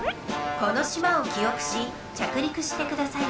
この島を記憶し着陸してください